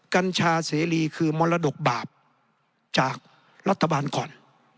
กัญชาเสรีคือมรดกบาปจากรัฐบาลก่อน